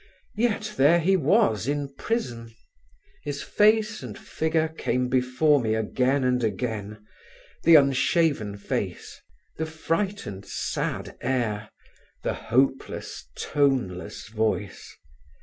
Yet there he was in prison. His face and figure came before me again and again: the unshaven face; the frightened, sad air; the hopeless, toneless voice.